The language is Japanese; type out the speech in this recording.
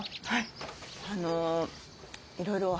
はい。